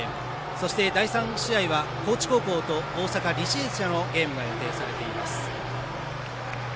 そして、第３試合は高知高校と大阪、履正社のゲームが予定されています。